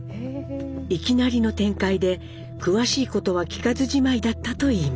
いきなりの展開で詳しいことは聞かずじまいだったといいます。